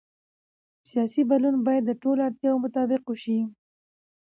سیاسي بدلون باید د ټولنې اړتیاوو مطابق وشي